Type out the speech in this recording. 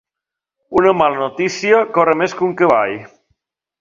Una mala notícia corre més que un cavall.